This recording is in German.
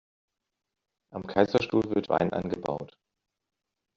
Am Kaiserstuhl wird Wein angebaut.